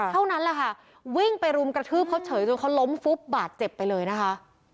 เท่านั้นแหละค่ะวิ่งไปรุมกระทืบเขาเฉยจนเขาล้มฟุบบาดเจ็บไปเลยนะคะ